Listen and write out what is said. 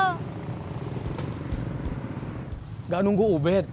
nggak nunggu ubed